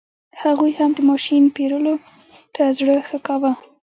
هغوی هم د ماشین پېرلو ته زړه نه ښه کاوه.